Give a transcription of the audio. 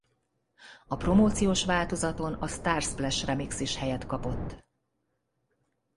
A promóciós változaton a Starsplash Remix is helyet kapott.